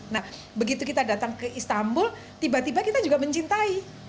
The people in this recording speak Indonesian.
nah begitu kita datang ke istanbul tiba tiba kita juga mencintai